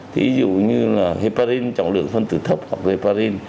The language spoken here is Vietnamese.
ví dụ như là heparin trọng lượng phân tử thấp hoặc heparin